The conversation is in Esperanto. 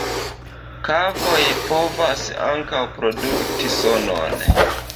Kavoj povas ankaŭ produkti sonon.